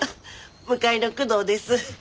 向かいの工藤です。